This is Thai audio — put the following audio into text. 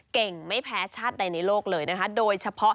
ไม่แพ้ชาติใดในโลกเลยนะคะโดยเฉพาะ